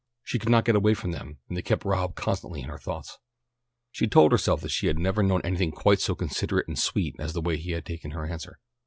She could not get away from them, and they kept Rob constantly in her thoughts. She told herself that she had never known anything quite so considerate and sweet as the way he had taken her answer.